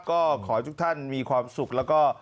ก็ขอให้ทุกท่านมีความสุขแล้วก็